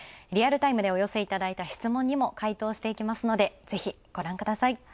リアルタイムでお寄せいただいた質問にも回答していきますのでぜひ、ご覧ください。